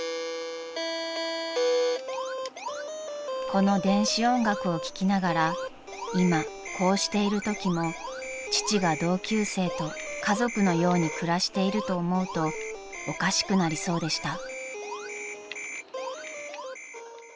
［この電子音楽を聴きながら今こうしているときも父が同級生と家族のように暮らしていると思うとおかしくなりそうでした］